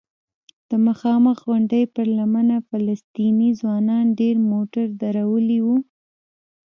د مخامخ غونډۍ پر لمنه فلسطینی ځوانانو ډېر موټر درولي وو.